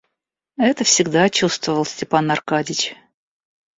Это всегда чувствовал Степан Аркадьич.